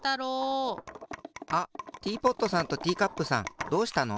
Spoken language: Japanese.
あっティーポットさんとティーカップさんどうしたの？